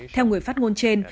theo người phát ngôn trên